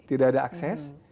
tidak ada akses